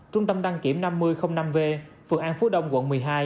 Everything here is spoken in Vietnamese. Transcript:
trung tâm đăng kiểm năm mươi năm v phường an phú đông quận một mươi hai